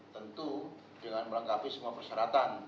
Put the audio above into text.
tentu dengan melengkapi semua persyaratan